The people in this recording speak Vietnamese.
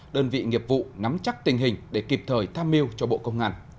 đơn vị nghiệp vụ nắm chắc tình hình để kịp thời tham mưu cho bộ công an